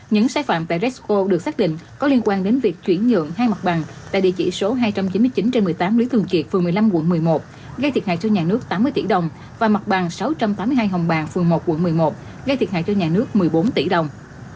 những sai phạm tại resco được xác định có liên quan đến việc chuyển nhượng hai mặt bằng tại địa chỉ số hai trăm chín mươi chín trên một mươi tám lý thường kiệt phường một mươi năm quận một mươi một gây thiệt hại cho nhà nước tám mươi tỷ đồng và mặt bằng sáu trăm tám mươi hai hồng bàng phường một quận một mươi một gây thiệt hại cho nhà nước một mươi bốn tỷ đồng